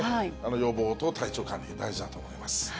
予防と体調管理、大事だと思います。